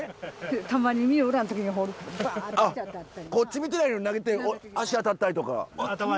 たまにこっち見てないのに投げて脚当たったりとか。